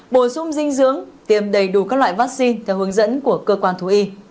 bổ sung dinh dưỡng tiêm đầy đủ các loại vaccine theo hướng dẫn của cơ quan thú y